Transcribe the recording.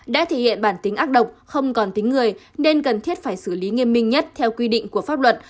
đã thể hiện bản tính ác độc không còn tính người nên cần thiết phải xử lý nghiêm minh nhất theo quy định của pháp luật